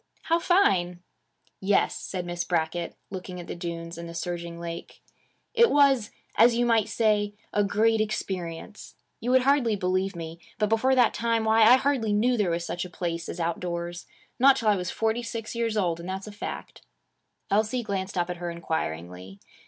'How fine!' 'Yes,' said Miss Brackett, looking at the dunes and the surging lake. 'It was, as you might say, a great experience. You hardly would believe me, but before that time, why, I hardly knew there was such a place as outdoors; not till I was forty six years old; and that's a fact.' Elsie glanced up at her inquiringly.